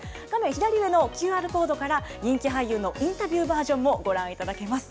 左上のＱＲコードから、人気俳優のインタビューバージョンもご覧いただけます。